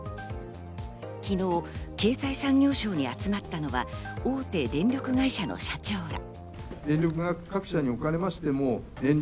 昨日、経済産業省に集まったのは、大手電力会社の社長ら。